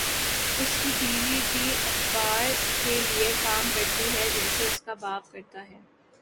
اس کی بیوی بھِی اخبار کے لیے کام کرتی ہے جیسے اس کا باپ کرتا تھا